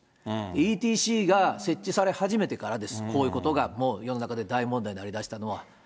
ＥＴＣが設置され始めてからです、こういうことがもう世の中で大問題になりだしたのは。